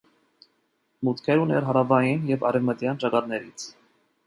Մուտքեր ուներ հարավային և արևմտյան ճակատներից։